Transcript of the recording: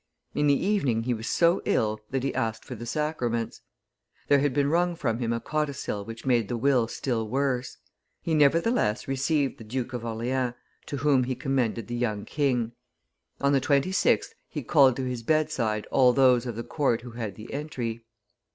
In the evening, he was so ill that he asked for the sacraments. There had been wrung from him a codicil which made the will still worse. He, nevertheless, received the Duke of Orleans, to whom he commended the young king. On the 26th he called to his bedside all those of the court who had the entry.